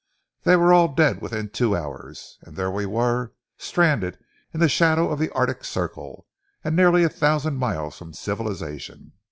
They were all dead within two hours; and there we were, stranded in the shadow of the Arctic circle and nearly a thousand miles from civilization."